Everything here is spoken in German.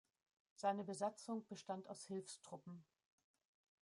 Seine Besatzung bestand aus Hilfstruppen.